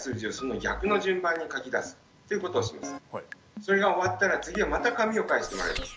それが終わったら次はまた紙を返してもらいます。